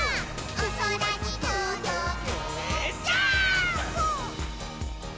「おそらにとどけジャンプ！！」